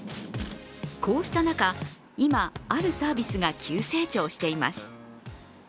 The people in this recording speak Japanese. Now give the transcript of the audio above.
こうした中、今あるサービスが急成長しています。